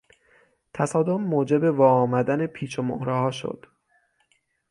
تصادم موجب واآمدن پیچ و مهرهها شد.